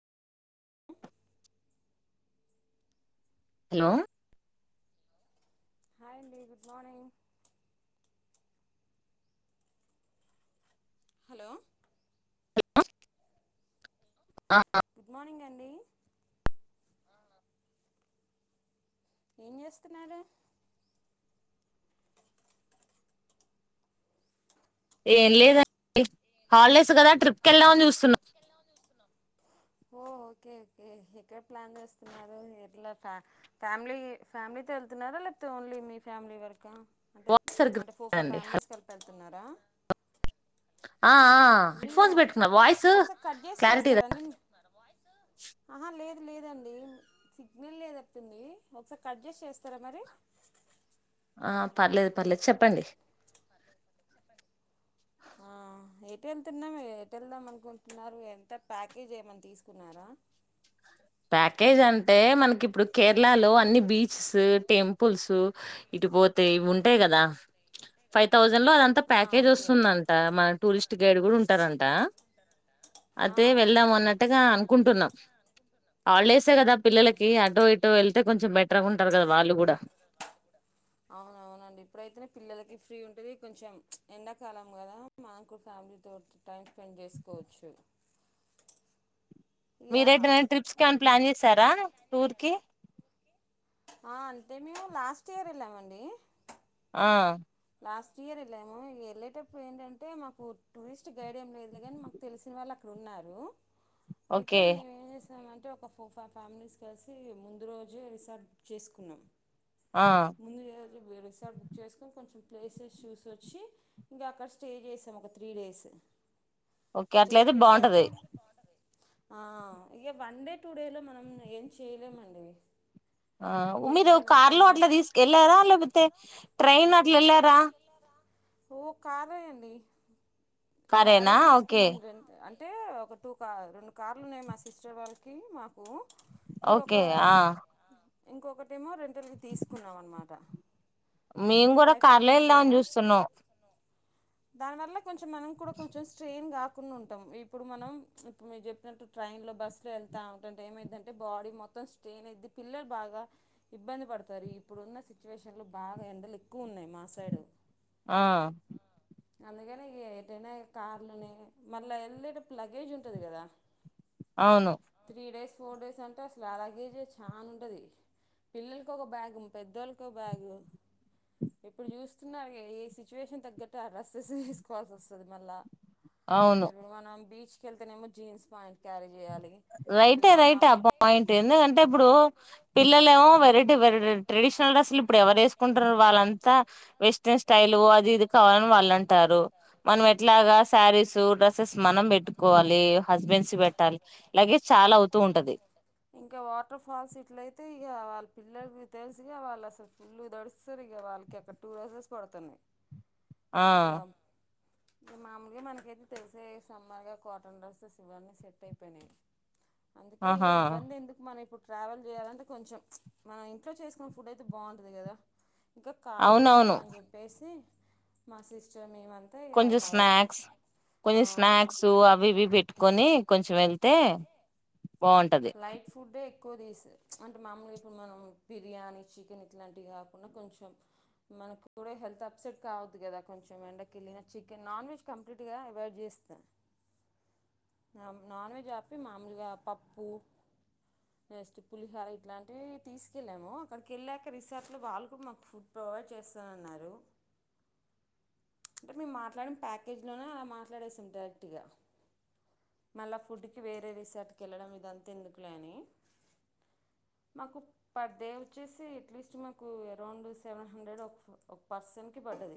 Hello hi అండి good morning hello ఆ, good morning అండి ఏం చేస్తున్నారు ఏం లేదండి హాలిడేస్ కదా ట్రిప్కి వెళ్దామని చూస్తున్నా ఓ ఓకే ఓకే ఎక్కడ ప్లాన్ చేస్తున్నారు ఇట్లా ఫ్యా ఫ్యామిలీ ఫ్యామిలీ వెళ్తున్నారా లేప్తే ఓన్లీ మీ ఫ్యామిలీ వరక అంటే వాయిస్ సరిగ్గా అంటే ఫోర్ ఫైవ్ రాదండి హలో. ఫ్యామిలీస్ కలిపెళ్తన్నారా ఆ ఆ, హెడ్ మీవా ఫోన్స్ పెట్టుకున్నా వాయిస్ ఒకసారి కట్ చేసి క్లారిటీ చేస్తారా రా- అండి అహ లేదు లేదండి సిగ్నల్ లేదట్టుంది ఒకసా కడ్జేస్ చేస్తారా మరి ఆ పర్లేదు పర్లేదు చెప్పండి ఎటెళ్తున్నాము ఎటెళ్దాం అనుకుంటున్నారు ఎంత ప్యాకేజ్ ఏమన్న తీసుకున్నారా ప్యాకేజ్ అంటే మనకిప్పుడు కేరళ లో అన్ని బీచ్స్ టెంపుల్స్ బోతే ఇవుంటయి గదా ఫైవ్ తౌ మున్నార్ అంతా ఆ ప్యాకేజ్ ఓకే వస్తుందంట మన టూరిస్ట్ గైడ్ గుడా ఉంటారంట అతే ఆహా వెళ్దామన్నట్టుగా అనుకుంటున్నాం హాలిడేసే గదా పిల్లలకి అటో ఇటో వెళ్తే కొంచెం బెటర్గుంటారు గద వాళ్ళు గుడ అవునవునండి ఇప్పుడైతేనే పిల్లలక్ ఫ్రీ ఉంటుది కొంచెం ఎండాకాలం కదా మాకు ఫ్యామిలీతో టైం స్పెండ్ చేసుకోవచ్చు ఇక మీరైతే నైన్ ట్రిప్స్ కి ఏమనా ప్లాన్ చేశారా టూర్ కి ఆ అంటే మేము లాస్ట్ ఇయర్ ఎళ్ళామండి ఆ లాస్ట్ ఇయర్ వెళ్ళాము వెళ్ళేటప్పుడు ఏంటంటే మాకు టూరిస్ట్ గైడ్ ఏం లేదు కానీ మాకు తెలిసిన వాళ్ళు ఉన్నారు అయితే ఓకే మే అంటే ఒక ఫోర్ ఫైవ్ ఫ్యామిలీస్ కలిసి ముందు రోజే రిసార్ట్ బుక్ చేసుకున్నాం ఆ ముందు ఏు రసారి బుక్ చేసుకొని కొంచెం ప్లేసెస్ చూసిచ్చి ఇంకా అక్కడ స్టే చేసాము ఒక త్రీ డేస్ ఓకే అట్లతే బాగుంటది ఆ ఇక వన్డే టుడేలో మనం ఏం చేయలేమండి ఆ మీరు ఏదన్నా కార్లో కొంచెం అట్లా తీసుకెళ్ళారా లేకపోతే ట్రైన్ అట్లా వెళ్లారా ఓ కారే అండి కారే కారేనా ఓకే తీసుకున్నాం రెంట్ కీ అంటే ఒక టూ కార్ రెండు కార్లు ఉన్నాయి మా సిస్టర్ వాళ్ళకి మాకు ఇంకొక ఓకే ఆ ఇంకొకటేమో రెంటల్కి తీసుకున్నాం అనమాట మేము కూడా కారులో వెళ్దామని చూస్తున్నాం దాని వల్ల కొంచెం మనం కూడా కొంచెం స్ట్రెయిన్ గా కు ఉంటాం ఇప్పుడు మనం ఇప్పుడు మీరు చెప్పినట్టు ట్రైన్ లో బస్సు లో వెతా ఉంటంటే ఏమైందంటే బాడీ మొత్తం స్ట్రేన్ది పిల్లలు బాగా ఇబ్బంది పడతారు ఇప్పుడు ఉన్న సిచువేషన్ లో బాగా ఎండలు ఎక్కువ ఉన్నా ఉన్నాయి మా సైడ్ ఆ అందుకనే ఏటైనా కార్లునే మళ్ళా వెళ్ళేటప్పుడు లగేజ్ ఉంటది కదా అవును త్రీ డేస్ ఫోర్ డేస్ అంటే అసలు లగేజీ చాలా ఉండది పిల్లలకు ఒక బ్యాగు పెద్దోళ్ళక బ్యాగు ఎప్పుడు చూస్తున్నారు ఏస సిచువేషన్ తగ్గట్టుఆ డ్రెస్సెస్ వేసుకోవాలిసి వస్తుంది మళ్ళీ అవును ఇప్పుడు మనం బీచ్ అక్కడికి వెళ్తేనమో jean pant carrot right right ఆ పాయింట్ ఎందుకంటే ఇప్పుడు పిల్లలే ఏమో వెరైటీ వెరైటీ ట్రెడిషనల్ డ్రెస్సులు ఇప్పుడు ఎవరు వేసుకుంటారు వాళ్ళంత వెస్టర్న్ స్టైల్ అది ఇది కావాల ని వాళ్ళుంటారు మనం ఎట్లాగా శారీస్ డ్రెస్సెస్ మనం పెట్టుకోవాలి హస్బెండ్స్ పెట్టాలి లగేజ్ చ చాలా అవుతూ ఉంటది ఇంకా వాటర్ ఫాల్స్ ఇట్లయితే ఇక పిల్లకి తెలుసుగా వాళ్ళు అసలు పిల్లలు దాడుస్తారు వాళ్ళకి అక్కడ టూ డ్రెస్సెస్ పడుతున్నాయి ఆ ఇక మామూలుగా మనకైతే తెలిసే సమ్మర్గా కాటన్ డ్రెస్సెస్ ఇవన్నీ సెట్ అయిపోయినాయి అందుకే ఇక ఆహా ఇబ్బంది ఎందుకు మనం ఇప్పుడు ట్రావెల్ చేయాలంటే కొంచెం మనం ఇంట్లో చేసుకున్న ఫుడ్ అయితే బాగుంటుంది కదా ఇంకా కార్ కూడా ఉంది అవునవును అని చెప్పేసి మా సిస్టర్ మేమ అంతా అయ్యారు కొంచెం స్నాక్స్ కొన్ని స్నాక్స్ అవి ఇవి పెట్టుకొని కొంచెం వెళ్తే బాగుంటది లైట్ ఫుడ్డే ఎక్కువ తీ అంటే మామూలుగా ఇప్పుడు మనం బిర్యానీ చికెన్ ఇట్లాంటివి కాకుండా కొంచెం మనకు కూడా హెల్త్ అప్సెట్ కావద్దు కదా కొంచెం ఎండకి వెళ్ళ చికెన్ నాన్ వెజ్ కంప్లీట్ గా అవడ్ చే వస్తా అ నాన్ వెెజ్ ఆపి మామూలుగా పాప్ అ జస్ట్ పులిహర ఇట్లాంటివి తీసుకెళ్ళాము అక్కడికి వెళ్ళాక రిసార్ట్ లో వాళ్ళు కూడా మాకు ఫుడ్ ఫోన్ చేస్తానన్నారు అ అంటే మేము మాట్లాడిన ప్యాకేజీలోనే అలా మాట్లాడేసాము డైరెక్ట్ గా మళ్ళా ఫుడ్కి వేరే రిసార్ట్కి వెళ్ళడం ఇదంతా ఎందుకులేని అ మాకు పర్ డే వచ్చేసి అట్లీస్ట్ మాకు అరౌండ్ సెవెన్ హండ్రెడ్ ఒక ఒక పర్సన్కి పడ్డది